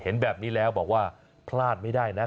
เห็นแบบนี้แล้วบอกว่าพลาดไม่ได้นะ